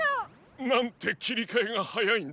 なんてきりかえがはやいんだ。